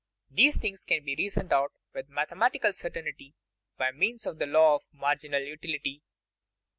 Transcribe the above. These things can be reasoned out with mathematical certainty by means of the law of marginal utility.